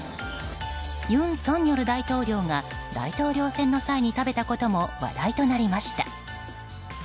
尹錫悦大統領が大統領選の際に食べたことも話題となりました。